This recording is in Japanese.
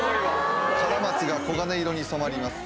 カラマツが黄金色に染まります。